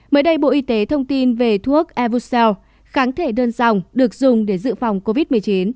mới đây bộ y tế thông tin về thuốc evosel kháng thể đơn dòng được dùng để dự phòng covid một mươi chín